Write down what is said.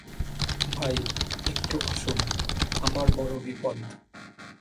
ভাই, একটু আসুন, আমার বড় বিপদ।